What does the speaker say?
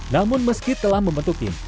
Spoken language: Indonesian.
namun meski telah membentukin